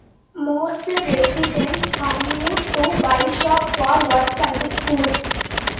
Most residents commute to Bishop for work and school.